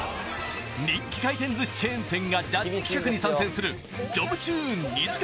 人気回転寿司チェーン店がジャッジ企画に参戦するジョブチューン２時間